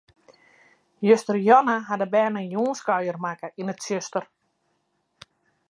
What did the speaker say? Justerjûn hawwe de bern in jûnskuier makke yn it tsjuster.